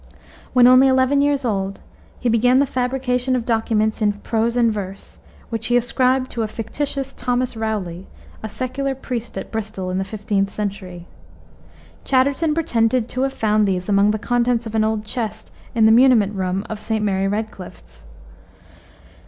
When only eleven years old, he began the fabrication of documents in prose and verse, which he ascribed to a fictitious Thomas Rowley, a secular priest at Bristol in the 15th century. Chatterton pretended to have found these among the contents of an old chest in the muniment room of St. Mary Redcliff's.